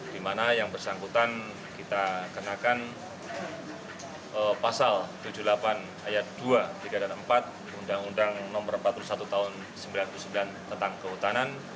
di mana yang bersangkutan kita kenakan pasal tujuh puluh delapan ayat dua tiga dan empat undang undang no empat puluh satu tahun seribu sembilan ratus sembilan puluh sembilan tentang kehutanan